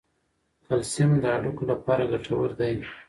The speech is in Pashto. کلسیم د هډوکو لپاره ګټور دی.